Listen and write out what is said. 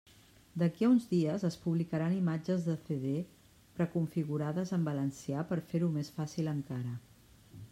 D'aquí a uns dies, es publicaran imatges de CD preconfigurades en valencià per fer-ho més fàcil encara.